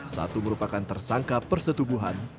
satu merupakan tersangka persetubuhan